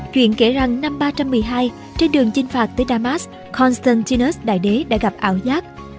chuyện kể rằng năm ba trăm một mươi hai trên đường chinh phạt tới damas constantinus đại đế đã gặp ảo giác